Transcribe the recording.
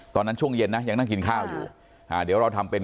ช่วงเย็นนะยังนั่งกินข้าวอยู่อ่าเดี๋ยวเราทำเป็น